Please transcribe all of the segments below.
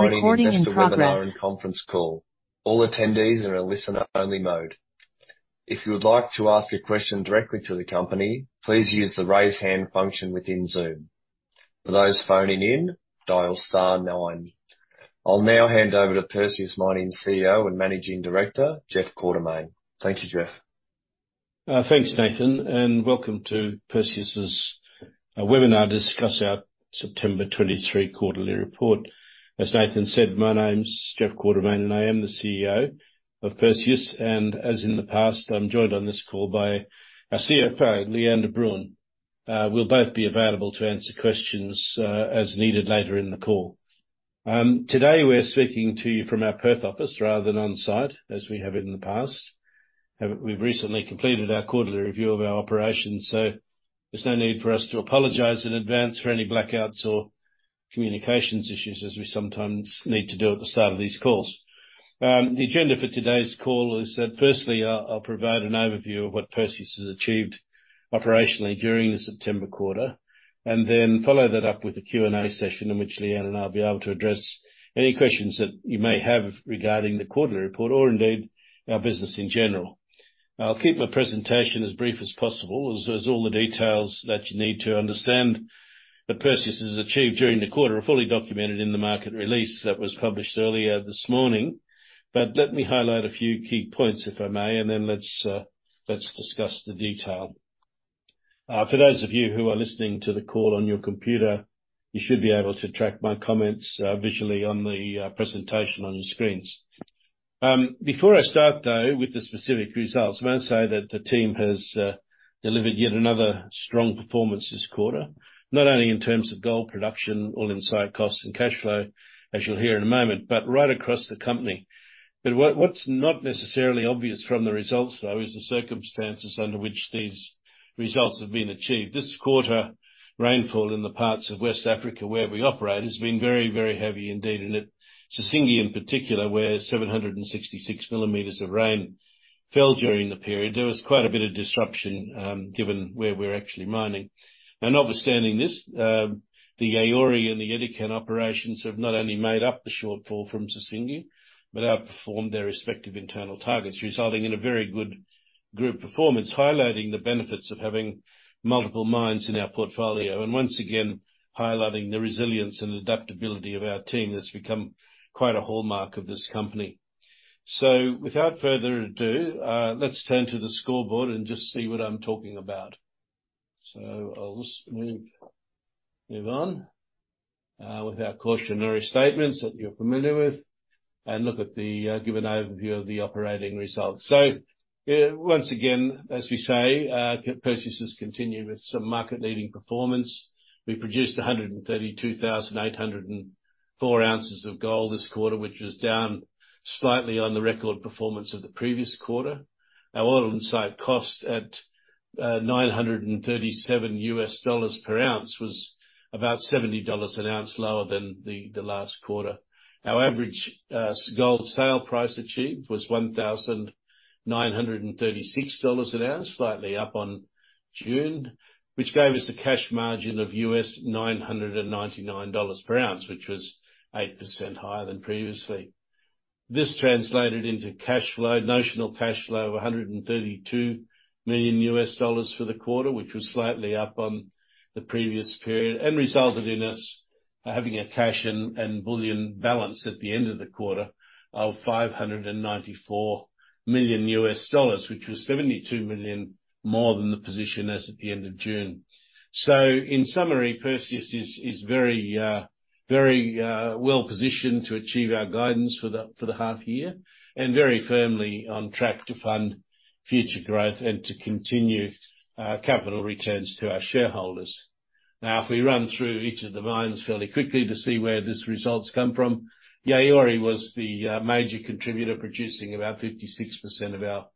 Morning investor webinar and conference call. All attendees are in listen-only mode. If you would like to ask a question directly to the company, please use the Raise Hand function within Zoom. For those phoning in, dial star nine. I'll now hand over to Perseus Mining's CEO and Managing Director, Jeff Quartermaine. Thank you, Jeff. Thanks, Nathan, and welcome to Perseus's webinar to discuss our September 2023 quarterly report. As Nathan said, my name's Jeff Quartermaine, and I am the CEO of Perseus, and as in the past, I'm joined on this call by our CFO, Lee-Anne de Bruin. We'll both be available to answer questions as needed later in the call. Today, we're speaking to you from our Perth office rather than on site, as we have in the past. We've recently completed our quarterly review of our operations, so there's no need for us to apologize in advance for any blackouts or communications issues, as we sometimes need to do at the start of these calls. The agenda for today's call is that firstly, I'll provide an overview of what Perseus has achieved operationally during the September quarter, and then follow that up with a Q&A session, in which Lee-Anne and I'll be able to address any questions that you may have regarding the quarterly report or indeed, our business in general. I'll keep my presentation as brief as possible, as all the details that you need to understand that Perseus has achieved during the quarter, are fully documented in the market release that was published earlier this morning. But let me highlight a few key points, if I may, and then let's discuss the detail. For those of you who are listening to the call on your computer, you should be able to track my comments visually on the presentation on your screens. Before I start, though, with the specific results, I might say that the team has delivered yet another strong performance this quarter. Not only in terms of gold production, all-in site costs and cash flow, as you'll hear in a moment, but right across the company. But what's not necessarily obvious from the results, though, is the circumstances under which these results have been achieved. This quarter, rainfall in the parts of West Africa where we operate, has been very, very heavy indeed. At Sissingué, in particular, where 766 millimeters of rain fell during the period, there was quite a bit of disruption, given where we're actually mining. Notwithstanding this, the Yaouré and the Edikan operations have not only made up the shortfall from Sissingué, but outperformed their respective internal targets, resulting in a very good group performance. Highlighting the benefits of having multiple mines in our portfolio, and once again, highlighting the resilience and adaptability of our team, that's become quite a hallmark of this company. So without further ado, let's turn to the scoreboard and just see what I'm talking about. So I'll just move on with our cautionary statements that you're familiar with, and look at the, give an overview of the operating results. So, once again, as we say, Perseus has continued with some market-leading performance. We produced 132,804 ounces of gold this quarter, which was down slightly on the record performance of the previous quarter. Our all-in site cost at $937 per ounce, was about $70 an ounce lower than the, the last quarter. Our average gold sale price achieved was $1,936 an ounce, slightly up on June, which gave us a cash margin of $999 per ounce, which was 8% higher than previously. This translated into cash flow, notional cash flow of $132 million for the quarter, which was slightly up on the previous period, and resulted in us having a cash and bullion balance at the end of the quarter of $594 million, which was $72 million more than the position as at the end of June. In summary, Perseus is very well positioned to achieve our guidance for the half year, and very firmly on track to fund future growth and to continue capital returns to our shareholders. Now, if we run through each of the mines fairly quickly to see where these results come from. Yaouré was the major contributor, producing about 56% of our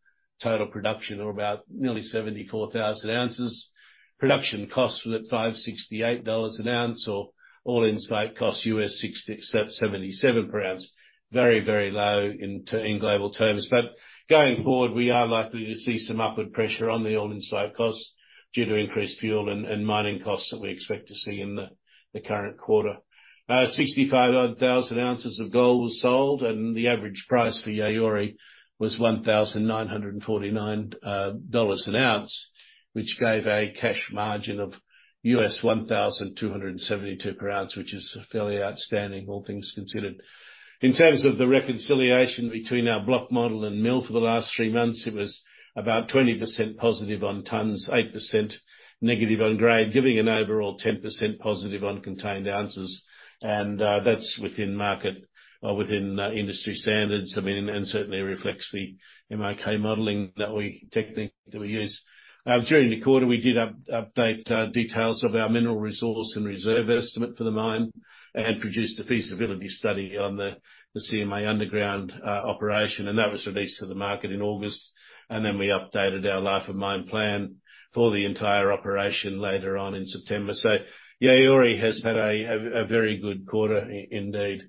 total production, or about nearly 74,000 ounces. Production costs were at $568 an ounce, or all-in site costs $677 per ounce. Very low in global terms, but going forward, we are likely to see some upward pressure on the all-in site costs due to increased fuel and mining costs that we expect to see in the current quarter. 65,000 ounces of gold was sold, and the average price for Yaouré was $1,949 an ounce, which gave a cash margin of $1,272 per ounce, which is fairly outstanding, all things considered. In terms of the reconciliation between our block model and mill for the last three months, it was about 20% positive on tons, 8% negative on grade, giving an overall 10% positive on contained ounces, and that's within industry standards. I mean, and certainly reflects the MIK modeling that we use. During the quarter, we did update details of our mineral resource and reserve estimate for the mine, and produced a feasibility study on the CMA underground operation, and that was released to the market in August. Then we updated our life of mine plan for the entire operation later on in September. So Yaouré has had a very good quarter indeed.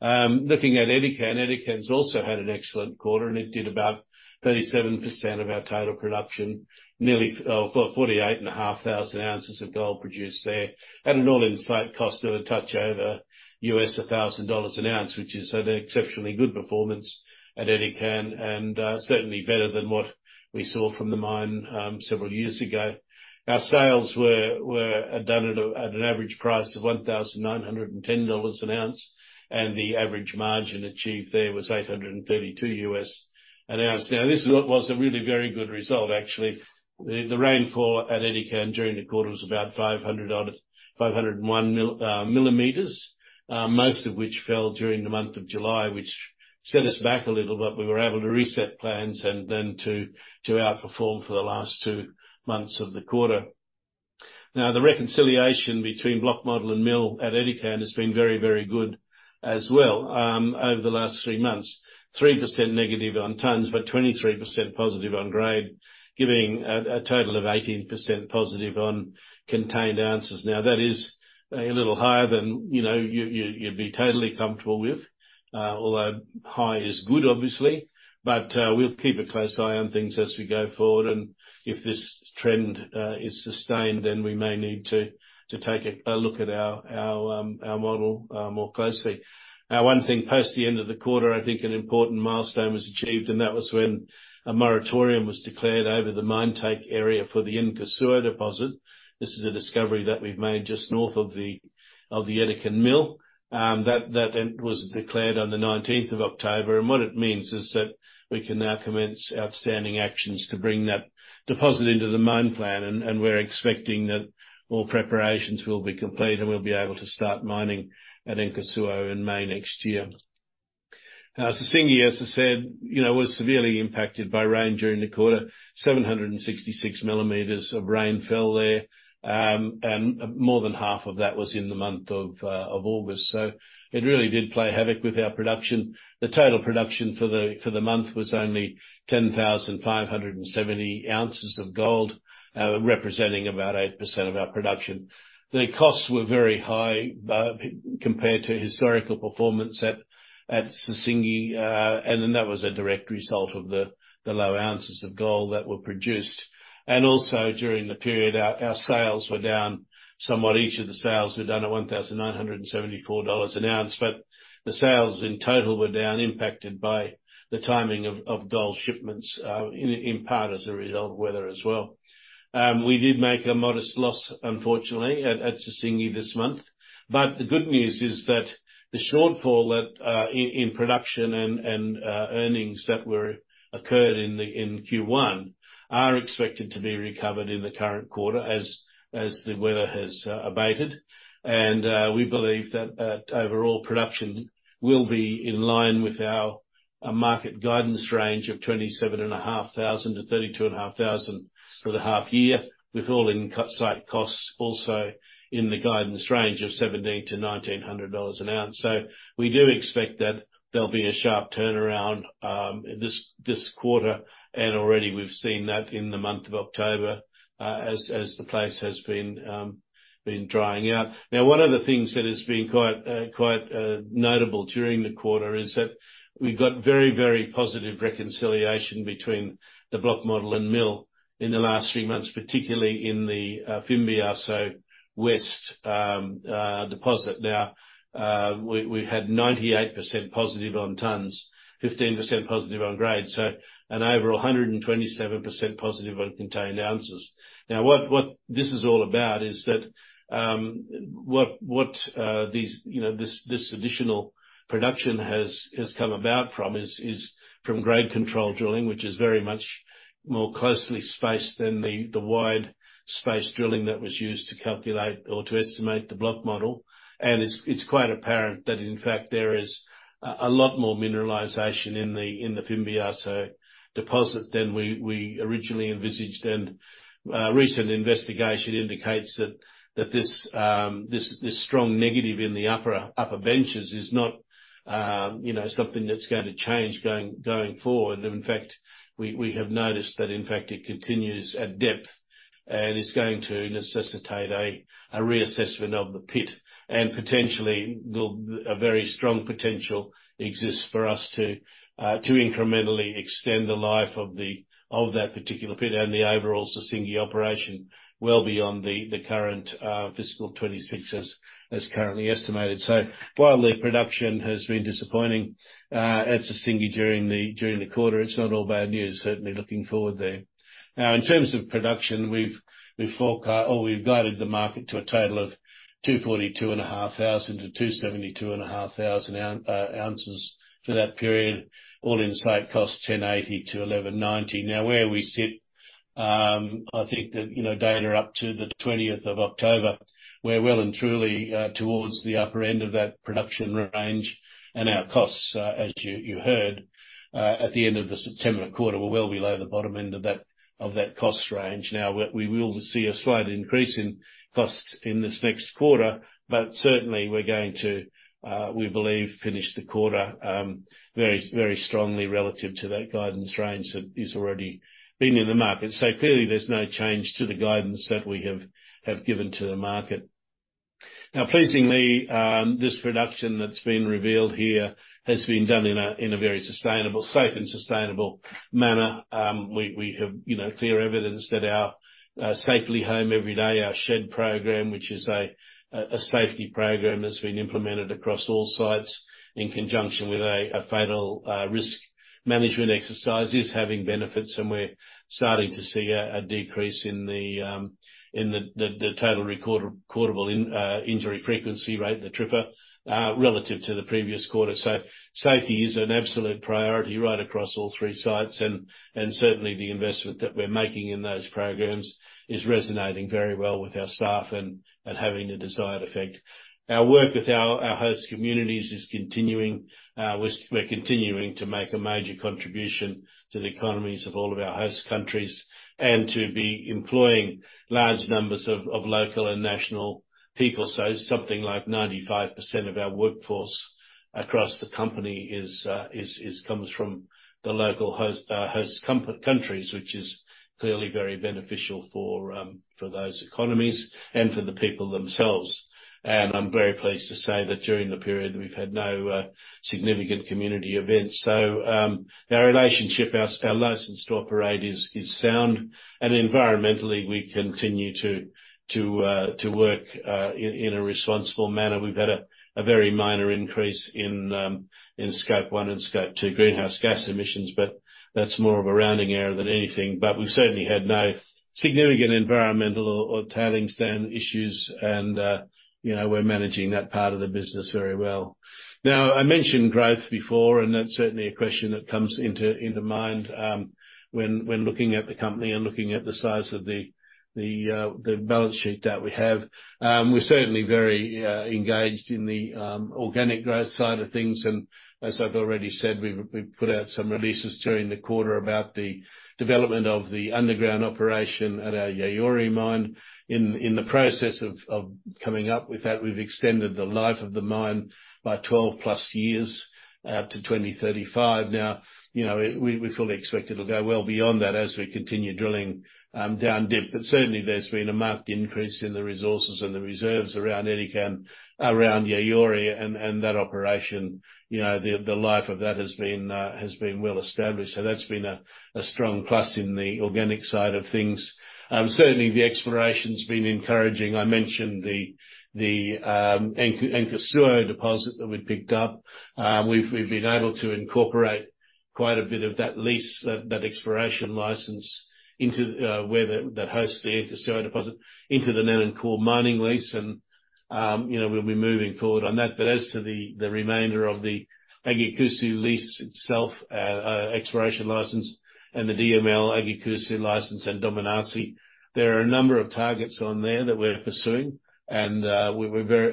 Looking at Edikan. Edikan has also had an excellent quarter, and it did about 37% of our total production. Nearly 48,500 ounces of gold produced there, at an all-in site cost of a touch over $1,000 an ounce, which is an exceptionally good performance at Edikan, and certainly better than what we saw from the mine several years ago. Our sales were done at an average price of $1,910 an ounce, and the average margin achieved there was $832 an ounce. Now, this was a really very good result, actually. The rainfall at Edikan during the quarter was about 500 odd, 501 millimeters, most of which fell during the month of July, which set us back a little, but we were able to reset plans and then to outperform for the last two months of the quarter. Now, the reconciliation between block model and mill at Edikan has been very, very good as well over the last three months. 3% negative on tonnes, but 23% positive on grade, giving a total of 18% positive on contained ounces. Now, that is a little higher than, you know, you'd be totally comfortable with. Although high is good, obviously, but we'll keep a close eye on things as we go forward, and if this trend is sustained, then we may need to take a look at our model more closely. Now, one thing, post the end of the quarter, I think an important milestone was achieved, and that was when a moratorium was declared over the mine take area for the Nkosuo deposit. This is a discovery that we've made just north of the Edikan mill. That then was declared on the nineteenth of October, and what it means is that we can now commence outstanding actions to bring that deposit into the mine plan, and we're expecting that all preparations will be complete, and we'll be able to start mining at Nkosuo in May next year. Now, Sissingué, as I said, you know, was severely impacted by rain during the quarter. 766 millimeters of rain fell there, and more than half of that was in the month of August. So it really did play havoc with our production. The total production for the month was only 10,570 ounces of gold, representing about 8% of our production. The costs were very high compared to historical performance at Sissingué, and then that was a direct result of the low ounces of gold that were produced. Also, during the period, our sales were down somewhat. Each of the sales were done at $1,974 an ounce, but the sales in total were down, impacted by the timing of gold shipments, in part, as a result of weather as well. We did make a modest loss, unfortunately, at Sissingué this month. But the good news is that the shortfall in production and earnings that were occurred in Q1 are expected to be recovered in the current quarter as the weather has abated. We believe that overall production will be in line with our market guidance range of 27,500-32,500 for the half year, with all-in site costs also in the guidance range of $1,700-$1,900 an ounce. We do expect that there'll be a sharp turnaround this quarter, and already we've seen that in the month of October, as the place has been drying out. Now, one of the things that has been quite, quite notable during the quarter is that we've got very, very positive reconciliation between the block model and mill in the last three months, particularly in the Fimbiasso West deposit. Now, we had 98% positive on tonnes, 15% positive on grade, so an overall 127% positive on contained ounces. Now, what this is all about is that, what these, you know, this additional production has come about from is from grade control drilling, which is very much more closely spaced than the wide-space drilling that was used to calculate or to estimate the block model. It's quite apparent that, in fact, there is a lot more mineralization in the Fimbiasso deposit than we originally envisaged. Recent investigation indicates that this strong negative in the upper benches is not, you know, something that's going to change going forward. In fact, we have noticed that, in fact, it continues at depth, and it's going to necessitate a reassessment of the pit, and potentially, a very strong potential exists for us to incrementally extend the life of the of that particular pit and the overall Sissingué operation well beyond the current fiscal 2026 as currently estimated. So while the production has been disappointing at Sissingué during the during the quarter, it's not all bad news, certainly looking forward there. Now, in terms of production, we've guided the market to a total of 242,500-272,500 ounces for that period, all-in site cost $1,080-$1,190. Now, where we sit, I think that, you know, data up to the twentieth of October, we're well and truly, towards the upper end of that production range, and our costs, as you, you heard, at the end of the September quarter, were well below the bottom end of that, of that cost range. Now, we, we will see a slight increase in cost in this next quarter, but certainly we're going to, we believe, finish the quarter, very, very strongly relative to that guidance range that is already been in the market. So clearly, there's no change to the guidance that we have, have given to the market. Now, pleasingly, this production that's been revealed here has been done in a very sustainable, safe, and sustainable manner. We have, you know, clear evidence that our Safely Home Every Day, our SHED program, which is a safety program that's been implemented across all sites in conjunction with a fatal risk management exercise, is having benefits, and we're starting to see a decrease in the total recordable injury frequency rate, the TRIFR, relative to the previous quarter. So safety is an absolute priority right across all three sites, and certainly, the investment that we're making in those programs is resonating very well with our staff and having the desired effect. Our work with our host communities is continuing. We're continuing to make a major contribution to the economies of all of our host countries and to be employing large numbers of local and national people. Ninety-five percent of our workforce across the company is, is, comes from the local host countries, which is clearly very beneficial for those economies and for the people themselves. I'm very pleased to say that during the period, we've had no significant community events. Our relationship, our license to operate is sound, and environmentally, we continue to work in a responsible manner. We've had a very minor increase in Scope 1 and Scope 2 greenhouse gas emissions, but that's more of a rounding error than anything. We've certainly had no significant environmental or tailings stand issues, and, you know, we're managing that part of the business very well. Now, I mentioned growth before, and that's certainly a question that comes into mind when looking at the company and looking at the size of the balance sheet that we have. We're certainly very engaged in the organic growth side of things, and as I've already said, we've put out some releases during the quarter about the development of the underground operation at our Yaouré mine. In the process of coming up with that, we've extended the life of the mine by 12+ years to 2035. Now, you know, we fully expect it'll go well beyond that as we continue drilling down deep. But certainly there's been a marked increase in the resources and the reserves around Edikan, around Yaouré, and that operation, you know, the life of that has been well established. So that's been a strong plus in the organic side of things. Certainly the exploration's been encouraging. I mentioned the Nkosuo deposit that we picked up. We've been able to incorporate quite a bit of that lease, that exploration license into where that hosts the Nkosuo deposit into the Nanankaw mining lease. You know, we'll be moving forward on that. But as to the remainder of the Agyakusu lease itself, exploration license and the DML Agyakusu license and Domenase, there are a number of targets on there that we're pursuing, and we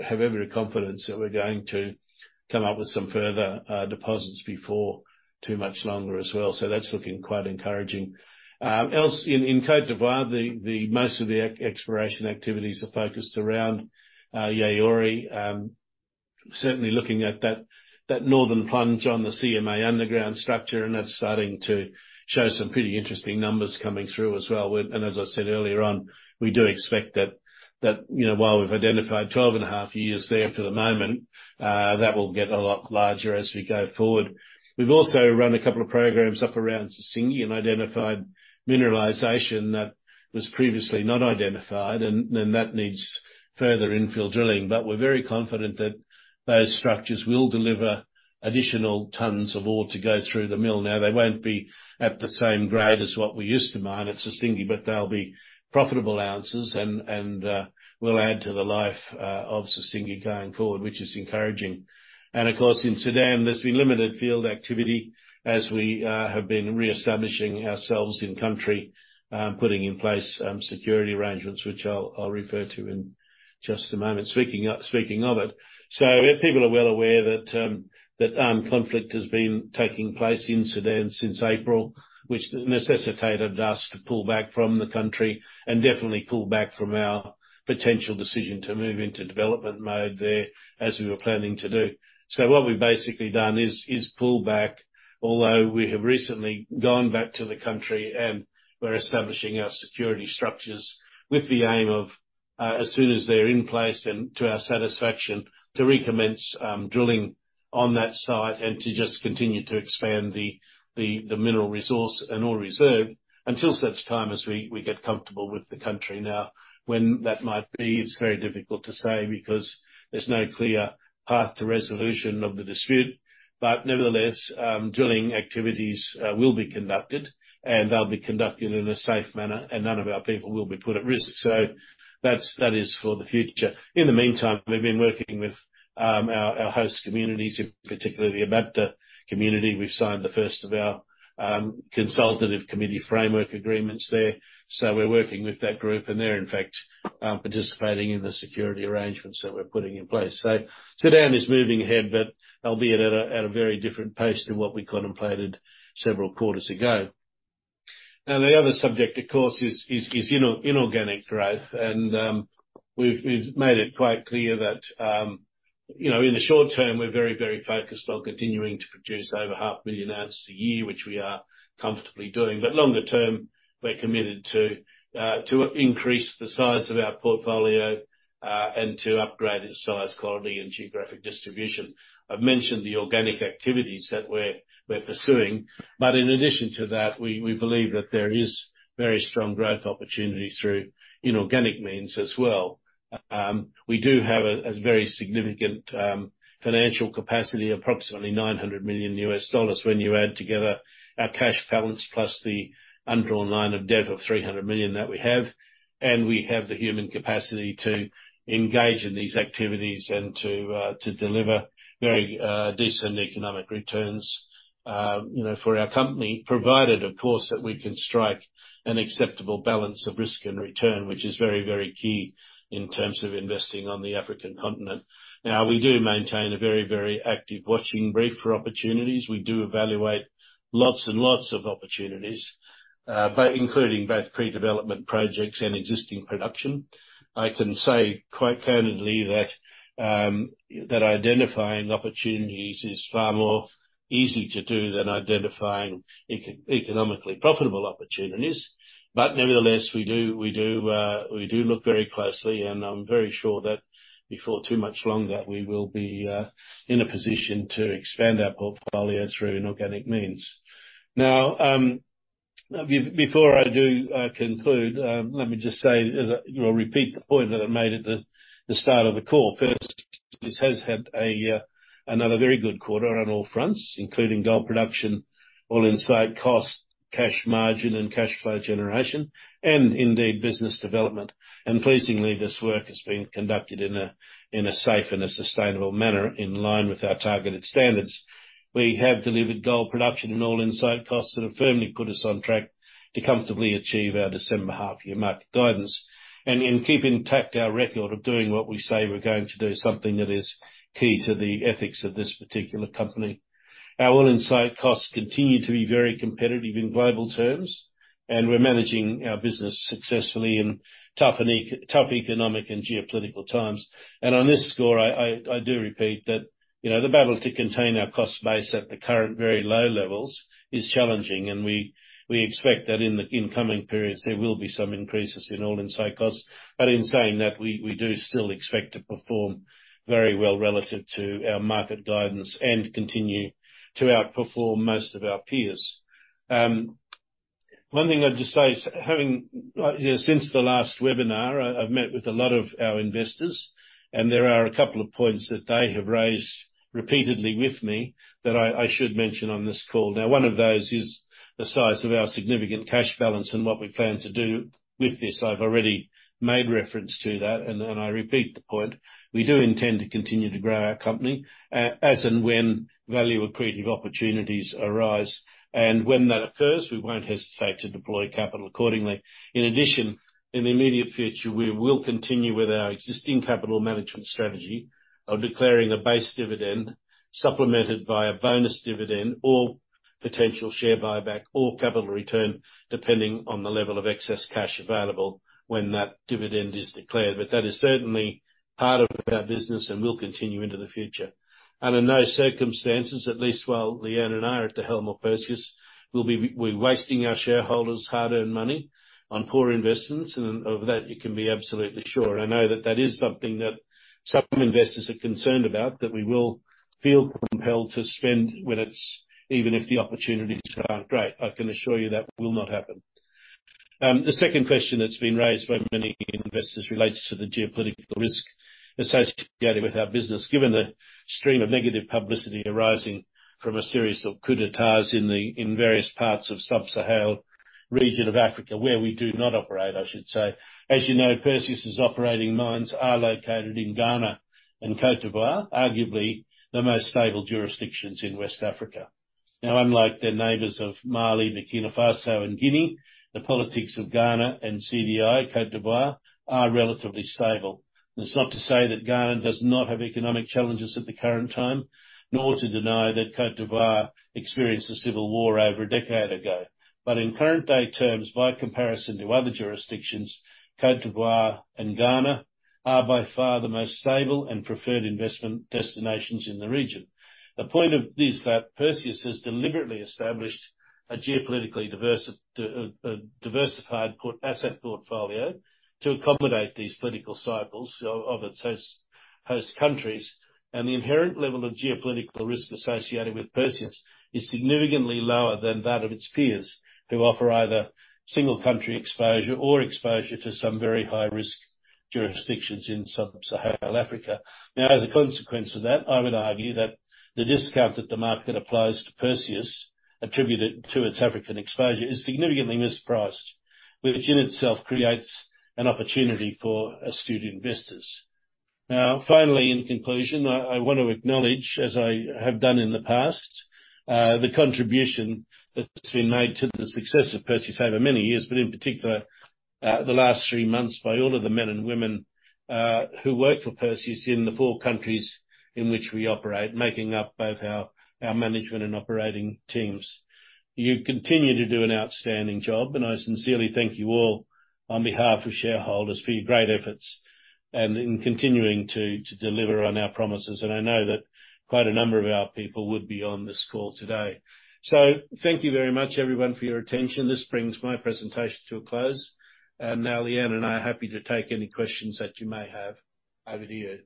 have every confidence that we're going to come up with some further deposits before too much longer as well. So that's looking quite encouraging. In Côte d'Ivoire, most of the exploration activities are focused around Yaouré. Certainly looking at that northern plunge on the CMA underground structure, and that's starting to show some pretty interesting numbers coming through as well. As I said earlier on, we do expect that, you know, while we've identified 12.5 years there for the moment, that will get a lot larger as we go forward. We've also run a couple of programs up around Sissingué and identified mineralization that was previously not identified, and then that needs further infill drilling. But we're very confident that those structures will deliver additional tons of ore to go through the mill. Now, they won't be at the same grade as what we used to mine at Sissingué, but they'll be profitable ounces, and will add to the life of Sissingué going forward, which is encouraging. Of course, in Sudan, there's been limited field activity as we have been reestablishing ourselves in country, putting in place security arrangements, which I'll refer to in just a moment. Speaking of, speaking of it, so people are well aware that that conflict has been taking place in Sudan since April, which necessitated us to pull back from the country and definitely pull back from our potential decision to move into development mode there, as we were planning to do. So what we've basically done is pull back, although we have recently gone back to the country, and we're establishing our security structures with the aim of, as soon as they're in place and to our satisfaction, to recommence, drilling on that site and to just continue to expand the mineral resource and ore reserve until such time as we get comfortable with the country. Now, when that might be, it's very difficult to say because there's no clear path to resolution of the dispute. But nevertheless, drilling activities will be conducted, and they'll be conducted in a safe manner, and none of our people will be put at risk. So that's, that is for the future. In the meantime, we've been working with our host communities, in particular the Ababda community. We've signed the first of our consultative committee framework agreements there. So we're working with that group, and they're, in fact, participating in the security arrangements that we're putting in place. So Sudan is moving ahead, but albeit at a very different pace than what we contemplated several quarters ago. Now, the other subject, of course, is inorganic growth, and we've made it quite clear that... In the short term, we're very, very focused on continuing to produce over 500,000 ounces a year, which we are comfortably doing. But longer term, we're committed to increase the size of our portfolio and to upgrade its size, quality, and geographic distribution. I've mentioned the organic activities that we're pursuing, but in addition to that, we believe that there is very strong growth opportunities through inorganic means as well. We do have a very significant financial capacity, approximately $900 million when you add together our cash balance, plus the undrawn line of debt of $300 million that we have, and we have the human capacity to engage in these activities and to deliver very decent economic returns, you know, for our company. Provided, of course, that we can strike an acceptable balance of risk and return, which is very, very key in terms of investing on the African continent. Now, we do maintain a very, very active watching brief for opportunities. We do evaluate lots and lots of opportunities, but including both pre-development projects and existing production. I can say quite candidly that identifying opportunities is far more easy to do than identifying economically profitable opportunities. But nevertheless, we do, we do look very closely, and I'm very sure that before too much longer, we will be in a position to expand our portfolio through inorganic means. Now, before I do conclude, let me just say, as I, you know, repeat the point that I made at the start of the call. This has had a, another very good quarter on all fronts, including gold production, all-in site cost, cash margin, and cash flow generation, indeed, business development. Pleasingly, this work has been conducted in a safe and a sustainable manner, in line with our targeted standards. We have delivered gold production and all-in site costs that have firmly put us on track to comfortably achieve our December half year market guidance, and in keeping intact our record of doing what we say we're going to do, something that is key to the ethics of this particular company. Our all-in site costs continue to be very competitive in global terms, and we're managing our business successfully in tough and tough economic and geopolitical times. On this score, I do repeat that, you know, the battle to contain our cost base at the current very low levels is challenging, and we expect that in coming periods, there will be some increases in all-in site costs. But in saying that, we do still expect to perform very well relative to our market guidance, and continue to outperform most of our peers. One thing I'd just say is, having, you know, since the last webinar, I've met with a lot of our investors, and there are a couple of points that they have raised repeatedly with me that I should mention on this call. Now, one of those is the size of our significant cash balance and what we plan to do with this. I've already made reference to that, and I repeat the point: we do intend to continue to grow our company, as and when value-accretive opportunities arise. When that occurs, we won't hesitate to deploy capital accordingly. In addition, in the immediate future, we will continue with our existing capital management strategy of declaring a base dividend, supplemented by a bonus dividend or potential share buyback or capital return, depending on the level of excess cash available when that dividend is declared. But that is certainly part of our business and will continue into the future. In those circumstances, at least while Lee-Anne and I are at the helm of Perseus, we're wasting our shareholders' hard-earned money on poor investments, and of that you can be absolutely sure. I know that that is something that some investors are concerned about, that we will feel compelled to spend when it's... even if the opportunities aren't great. NI can assure you that will not happen. The second question that's been raised by many investors relates to the geopolitical risk associated with our business. Given the stream of negative publicity arising from a series of coups d'état in the, in various parts of Sub-Saharan region of Africa, where we do not operate, I should say. As you know, Perseus' operating mines are located in Ghana and Côte d'Ivoire, arguably the most stable jurisdictions in West Africa. Now, unlike the neighbors of Mali, Burkina Faso, and Guinea, the politics of Ghana and CDI, Côte d'Ivoire, are relatively stable. That's not to say that Ghana does not have economic challenges at the current time, nor to deny that Côte d'Ivoire experienced a civil war over a decade ago. But in current day terms, by comparison to other jurisdictions, Côte d'Ivoire and Ghana are by far the most stable and preferred investment destinations in the region. The point of this is that Perseus has deliberately established a geopolitically diverse, diversified portfolio to accommodate these political cycles of its host countries, and the inherent level of geopolitical risk associated with Perseus is significantly lower than that of its peers, who offer either single country exposure or exposure to some very high-risk jurisdictions in Sub-Saharan Africa. Now, as a consequence of that, I would argue that the discount that the market applies to Perseus, attributed to its African exposure, is significantly mispriced, which in itself creates an opportunity for astute investors. Now, finally, in conclusion, I want to acknowledge, as I have done in the past, the contribution that's been made to the success of Perseus over many years, but in particular, the last three months, by all of the men and women who work for Perseus in the four countries in which we operate, making up both our management and operating teams. You continue to do an outstanding job, and I sincerely thank you all on behalf of shareholders for your great efforts and in continuing to deliver on our promises. I know that quite a number of our people would be on this call today. So thank you very much, everyone, for your attention. This brings my presentation to a close, and now Lee-Anne and I are happy to take any questions that you may have. Over to you.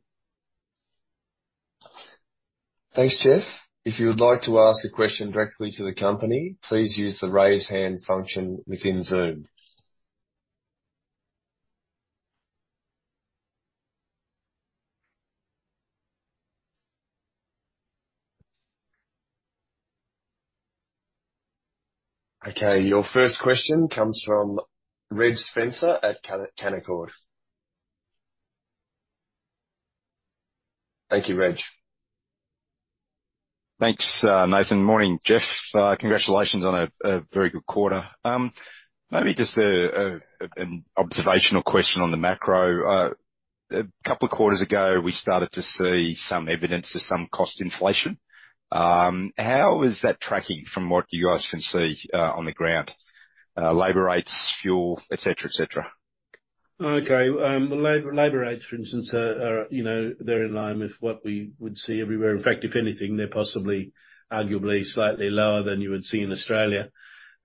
Thanks, Jeff. If you would like to ask a question directly to the company, please use the Raise Hand function within Zoom. Okay, your first question comes from Reg Spencer at Canaccord. Thank you, Reg. Thanks, Nathan. Morning, Jeff. Congratulations on a very good quarter. Maybe just an observational question on the macro. A couple of quarters ago, we started to see some evidence of some cost inflation. How is that tracking from what you guys can see on the ground? Labor rates, fuel, et cetera, et cetera. Okay, labor rates, for instance, are, you know, they're in line with what we would see everywhere. In fact, if anything, they're possibly, arguably slightly lower than you would see in Australia.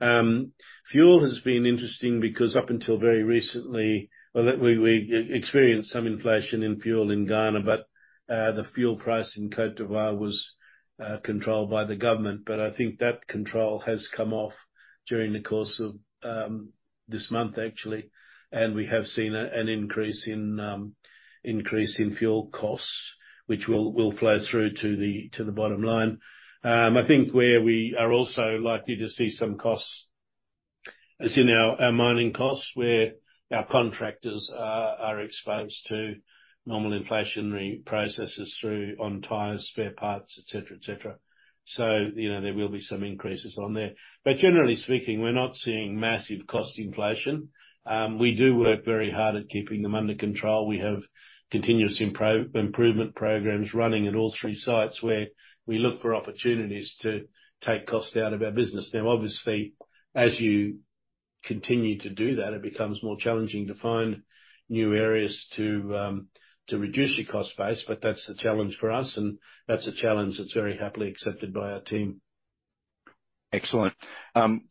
Fuel has been interesting because up until very recently... Well, we experienced some inflation in fuel in Ghana, but the fuel price in Côte d'Ivoire was controlled by the government. But I think that control has come off during the course of this month, actually, and we have seen an increase in fuel costs, which will flow through to the bottom line. I think where we are also likely to see some costs, as in our mining costs, where our contractors are exposed to normal inflationary processes through on tires, spare parts, et cetera, et cetera. So, you know, there will be some increases on there. But generally speaking, we're not seeing massive cost inflation. We do work very hard at keeping them under control. We have continuous improvement programs running at all three sites, where we look for opportunities to take costs out of our business. Now, obviously, as you continue to do that, it becomes more challenging to find new areas to reduce your cost base, but that's the challenge for us, and that's a challenge that's very happily accepted by our team. Excellent.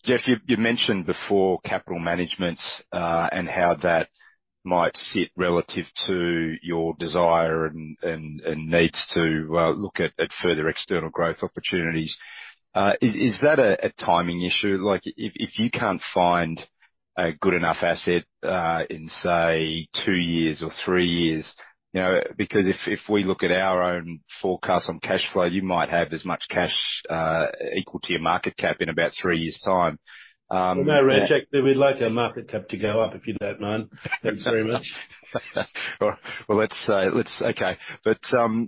Jeff, you mentioned before capital management and how that might sit relative to your desire and needs to look at further external growth opportunities. Is that a timing issue? Like, if you can't find a good enough asset in, say, two years or three years, you know, because if we look at our own forecast on cash flow, you might have as much cash equal to your market cap in about three years' time. Well, no, Reg, we'd like our market cap to go up, if you don't mind. Thanks very much. Well, well, let's say, let's... Okay. But,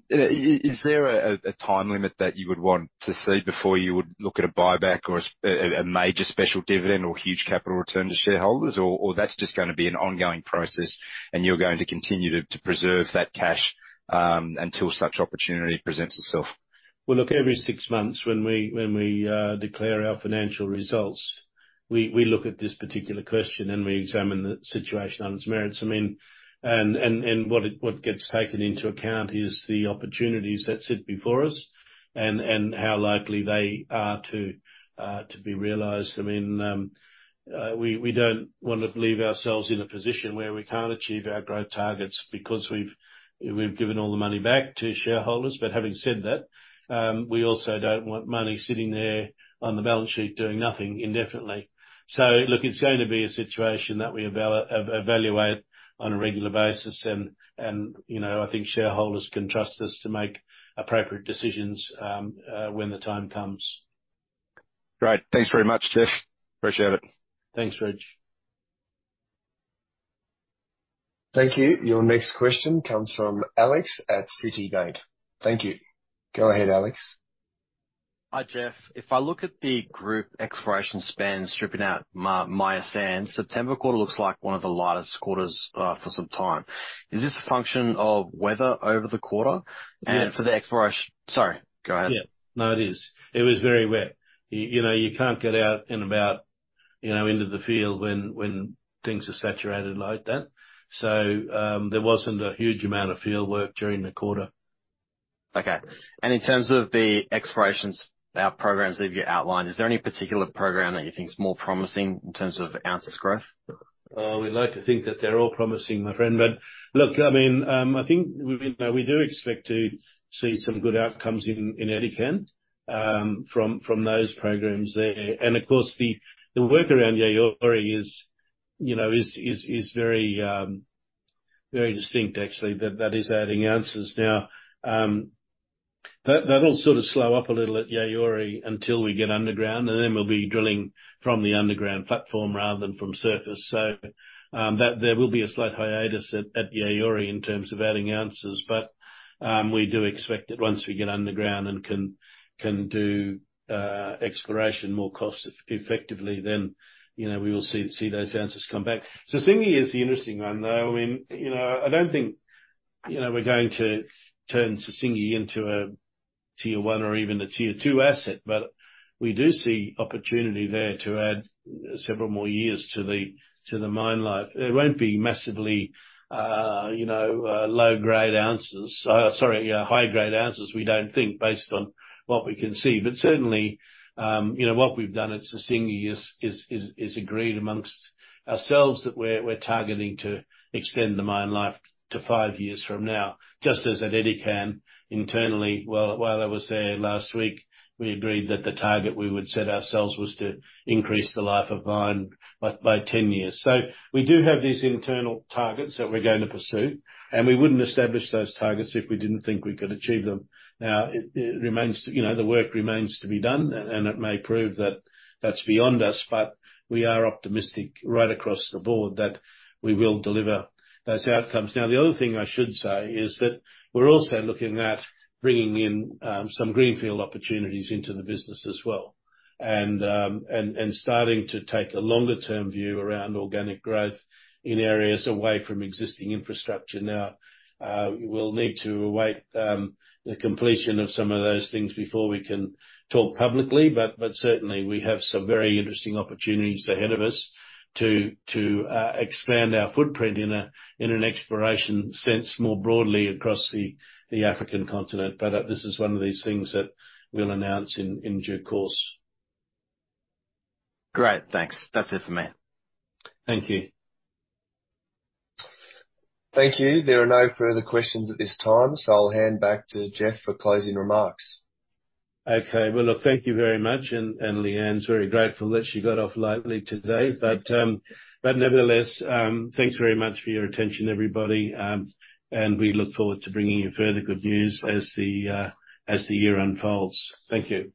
is there a time limit that you would want to see before you would look at a buyback or a major special dividend or huge capital return to shareholders? Or, that's just gonna be an ongoing process, and you're going to continue to preserve that cash until such opportunity presents itself? Well, look, every six months, when we declare our financial results, we look at this particular question and we examine the situation on its merits. I mean. What gets taken into account is the opportunities that sit before us and how likely they are to be realized. I mean, we don't want to leave ourselves in a position where we can't achieve our growth targets, because we've given all the money back to shareholders. But having said that, we also don't want money sitting there on the balance sheet doing nothing indefinitely. So look, it's going to be a situation that we evaluate on a regular basis. You know, I think shareholders can trust us to make appropriate decisions when the time comes. Great. Thanks very much, Jeff. Appreciate it. Thanks, Reg. Thank you. Your next question comes from Alex at Citi. Thank you. Go ahead, Alex. Hi, Jeff. If I look at the group exploration spend, stripping out Meyas Sand, September quarter looks like one of the lightest quarters for some time. Is this a function of weather over the quarter? Yeah. And for the exploration... Sorry, go ahead. Yeah. No, it is. It was very wet. You know, you can't get out and about, you know, into the field when, when things are saturated like that. So, there wasn't a huge amount of field work during the quarter. Okay. In terms of the explorations, programs that you outlined, is there any particular program that you think is more promising in terms of ounces growth? We'd like to think that they're all promising, my friend. But look, I mean, I think, you know, we do expect to see some good outcomes in Edikan from those programs there. Of course, the work around Yaouré is, you know, very distinct, actually. That is adding ounces. Now, that'll sort of slow up a little at Yaouré until we get underground, and then we'll be drilling from the underground platform rather than from surface. So, there will be a slight hiatus at Yaouré in terms of adding ounces. But we do expect that once we get underground and can do exploration more cost effectively, then, you know, we will see those ounces come back. Sissingué is the interesting one, though. I mean, you know, I don't think, you know, we're going to turn Sissingué into a Tier 1 or even a Tier 2 asset, but we do see opportunity there to add several more years to the mine life. It won't be massively, you know, low grade ounces—sorry, high grade ounces, we don't think, based on what we can see. But certainly, you know, what we've done at Sissingué is agreed amongst ourselves that we're targeting to extend the mine life to five years from now, just as at Edikan, internally, while I was there last week, we agreed that the target we would set ourselves was to increase the life of mine by 10 years. So we do have these internal targets that we're going to pursue, and we wouldn't establish those targets if we didn't think we could achieve them. Now, it remains, you know, the work remains to be done, and it may prove that that's beyond us, but we are optimistic right across the board that we will deliver those outcomes. Now, the other thing I should say is that we're also looking at bringing in some greenfield opportunities into the business as well. Starting to take a longer-term view around organic growth in areas away from existing infrastructure. Now, we'll need to await the completion of some of those things before we can talk publicly, but certainly we have some very interesting opportunities ahead of us to expand our footprint in an exploration sense, more broadly across the African continent. But this is one of these things that we'll announce in due course. Great! Thanks. That's it for me. Thank you. Thank you. There are no further questions at this time, so I'll hand back to Jeff for closing remarks. Okay. Well, look, thank you very much, and Lee-Anne's very grateful that she got off lightly today. But, nevertheless, thanks very much for your attention, everybody, and we look forward to bringing you further good news as the year unfolds. Thank you.